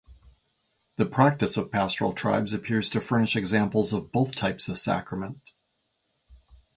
The practice of pastoral tribes appears to furnish examples of both types of sacrament.